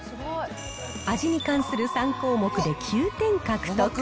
味に関する３項目で９点獲得。